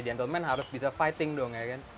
gentleman harus bisa fighting dong ya kan